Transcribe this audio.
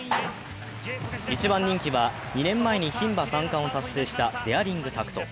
１番人気は、２年前に牝馬３冠を達成したデアリングタクト。